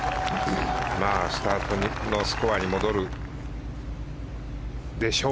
スタートのスコアに戻るでしょう。